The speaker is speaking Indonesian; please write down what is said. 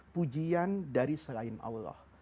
pujian dari selain allah